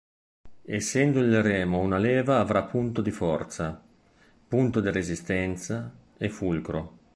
Essendo il remo una leva avrà punto di forza, punto di resistenza e fulcro.